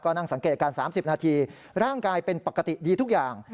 นั่งสังเกตการณ์๓๐นาทีร่างกายเป็นปกติดีทุกอย่าง